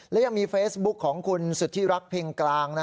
และยังมีเฟซบุ๊คของคุณสุธิรักเพ็งกลาง